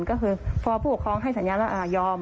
ก็คือพอผู้ปกครองให้สัญญาณว่ายอม